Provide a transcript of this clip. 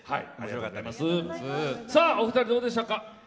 お二人、どうでしたか？